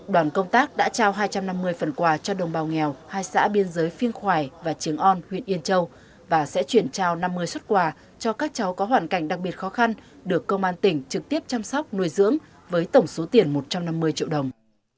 đoàn công tác đã trao hai trăm năm mươi phần quà cho đồng bào nghèo hai xã biên giới phiêng khoài và trường on huyện yên châu và sẽ chuyển trao năm mươi xuất quà cho các cháu có hoàn cảnh đặc biệt khó khăn được công an tỉnh trực tiếp chăm sóc nuôi dưỡng với tổng số tiền một trăm năm mươi triệu đồng